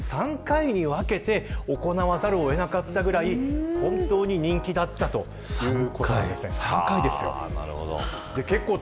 メディアが殺到して急きょ３回に分けて行わざるを得なかったくらい本当に人気だったということです。